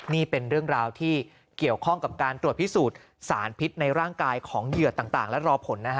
นี่เป็นเรื่องราวที่เกี่ยวข้องกับการตรวจพิสูจน์สารพิษในร่างกายของเหยื่อต่างและรอผลนะฮะ